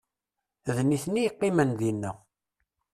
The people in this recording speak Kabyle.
D nitni i yeqqimen dinna.